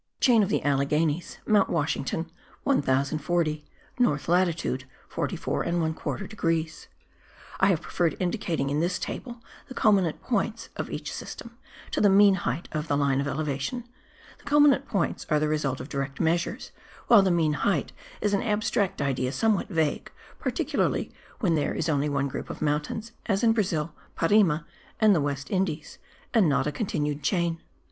Chain of the Alleghenies : Mount Washington 1040 (north latitude 44 1/4 degrees). I have preferred indicating in this table the culminant points of each system to the mean height of the line of elevation; the culminant points are the results of direct measures, while the mean height is an abstract idea somewhat vague, particularly when there is only one group of mountains, as in Brazil, Parime and the West Indies, and not a continued chain.